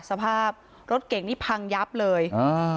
สภาพรถเก่งนี่พังยับเลยอ่า